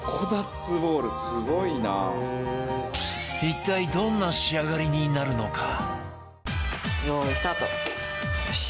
一体どんな仕上がりになるのか？